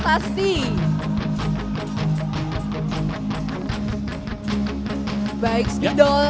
ketua kpu ketua bawaslu kapolda pangdam tiga siliwangi